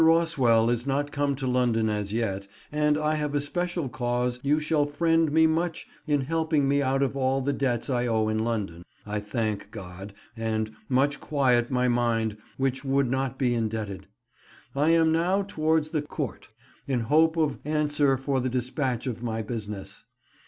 Rosswell is nott come to London as yeate, & I have especiall cawse yow shall ffrende me muche in helpeinge me out of all the debettes I owe in London, I thancke god, & muche quiet my mynde wch wolde nott be indebeted. I am nowe towardes the Cowrte, in hope of answer for the dispatche of my Buysenes.